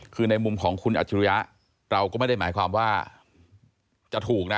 คือในมุมของคุณอัจฉริยะเราก็ไม่ได้หมายความว่าจะถูกนะ